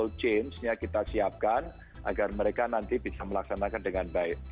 gold chainnya kita siapkan agar mereka nanti bisa melaksanakan dengan baik